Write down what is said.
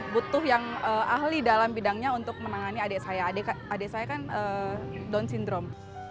butuh yang ahli dalam bidangnya untuk menangani adik saya adik adik saya kan down syndrome